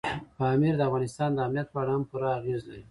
پامیر د افغانستان د امنیت په اړه هم پوره اغېز لري.